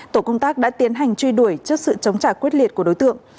tổ công tác đã tiến hành truy đuổi trước sự chống trả quyết liệt của đối tượng